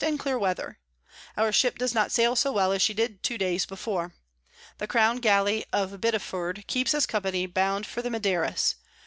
and clear Weather. Our Ship does not sail so well as she did two days before. The Crown Gally of Biddiford keeps us Company bound for the Maderas.